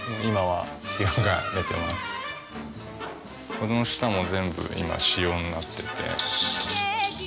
この下も全部今塩になってて。